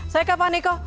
saya ke pak niko